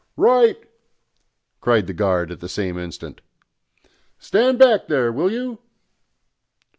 "Right!" cried the guard at the same instant. "Stand back there, will you!"